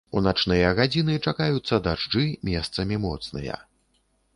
У начныя гадзіны чакаюцца дажджы, месцамі моцныя.